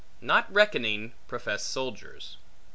not reckoning professed soldiers.